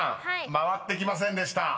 回ってきませんでした］